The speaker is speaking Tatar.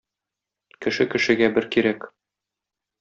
Кеше кешегә бер кирәк.